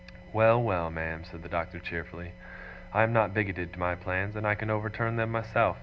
'Well, well, ma'am,' said the Doctor cheerfully, 'I am not bigoted to my plans, and I can overturn them myself.